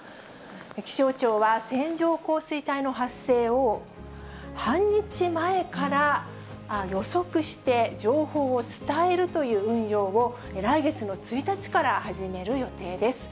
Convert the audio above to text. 気象庁は、線状降水帯の発生を半日前から予測して、情報を伝えるという運用を来月の１日から始める予定です。